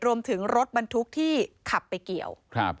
รวมถึงรถบรรทุกที่ขับไปเกี่ยว